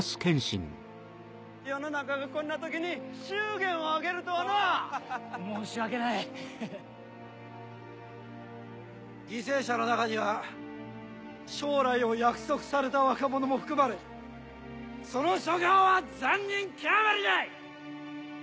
世の中がこんな時に祝言犠牲者の中には将来を約束された若者も含まれその所業は残忍極まりない！